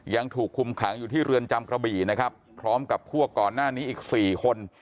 ยังถูกคุมขังอยู่ที่เรือนจำกระบี่นะครับพร้อมกับพวกก่อนหน้านี้อีก๔คน